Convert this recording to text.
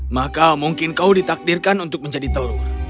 maka mungkin kau ditakdirkan untuk menjadi telur